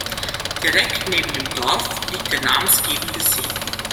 Direkt neben dem Dorf liegt der namensgebende See.